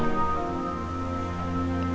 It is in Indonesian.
akan ada kebaikan yang datang